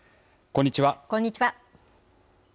こんにちは。